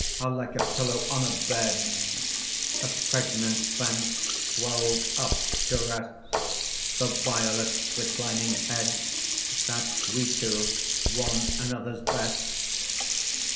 _ Where, like a pillow on a bed, A Pregnant banke swel'd up, to rest The violets reclining head, Sat we two, one anothers best.